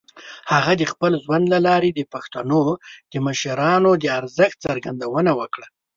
هغه د خپل ژوند له لارې د پښتنو د مشرانو د ارزښت څرګندونه وکړه.